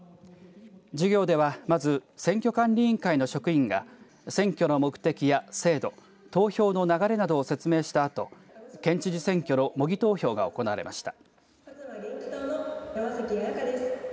授業では、まず選挙管理委員会の職員が選挙の目的や制度投票の流れなどを説明したあと県知事選挙の模擬投票が行われました。